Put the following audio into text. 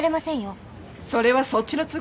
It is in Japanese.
それはそっちの都合でしょ？